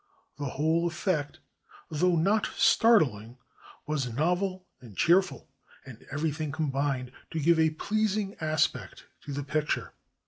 The whole effect, though not startUng, was novel and cheerful, and everything com bined to give a pleasing aspect to the picture.